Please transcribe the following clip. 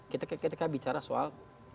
ketika bicara soal